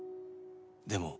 でも